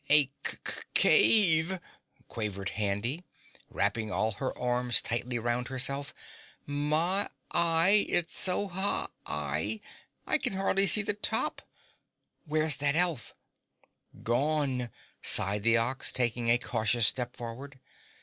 "A c c ave," quavered Handy, wrapping all her arms tightly round herself. "My y, it's so high igh, I can hardly see the top. Where's that elf?" "Gone!" sighed the Ox, taking a cautious step forward.